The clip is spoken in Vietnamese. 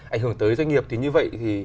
ảnh hưởng tới doanh nghiệp thì như vậy thì